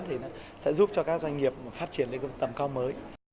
thì nó sẽ giúp cho các doanh nghiệp phát triển lên tầm cao mới